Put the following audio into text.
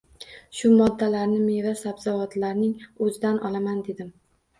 Shu moddalarni meva-sabzavotning o'zidan olaman dedim.